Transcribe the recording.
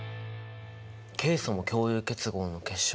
ケイ素も共有結合の結晶か。